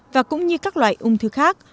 và cũng như các loại ung thư khác